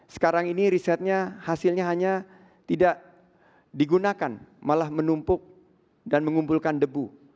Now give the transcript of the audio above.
sekarang ini risetnya hasilnya hanya tidak digunakan malah menumpuk dan mengumpulkan debu